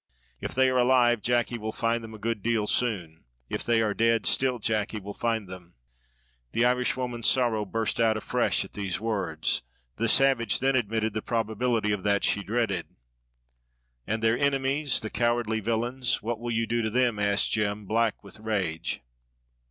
"If they are alive, Jacky will find them a good deal soon if they are dead, still Jacky will find them." The Irishwoman's sorrow burst out afresh at these words. The savage then admitted the probability of that she dreaded. "And their enemies the cowardly villains what will you do to them?" asked Jem, black with rage.